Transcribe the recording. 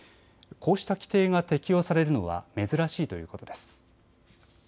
こうした規定が適用されるのは珍しいということです。